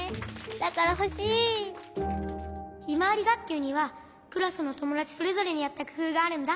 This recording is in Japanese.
ひまわりがっきゅうにはクラスのともだちそれぞれにあったくふうがあるんだ。